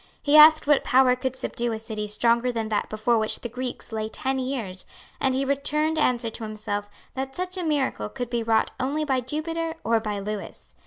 He asked what power could subdue a city stronger than that before which the Greeks lay ten years; and he returned answer to himself that such a miracle could be wrought only by Jupiter or by Lewis.